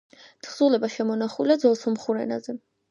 თხზულება შემონახულია ძველ სომხურ ენაზე.